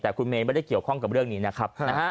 แต่คุณเมย์ไม่ได้เกี่ยวข้องกับเรื่องนี้นะครับ